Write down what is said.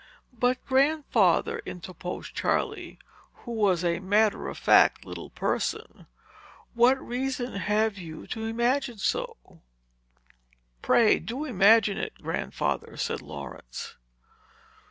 "But, Grandfather," interposed Charley, who was a matter of fact little person, "what reason have you to imagine so?" "Pray do imagine it, Grandfather," said Laurence.